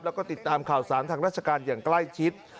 แล้วก็ติดตามข่าวสารทางราชการอย่างใกล้ชิด